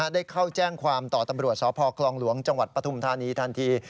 ได้เข้าแจ้งความต่อตำรวจสพคลองหลวงจังหวัดปฐุมธานีทันที